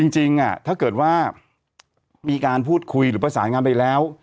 จริงถ้าเกิดว่ามีการพูดคุยหรือประสานงานไปแล้ว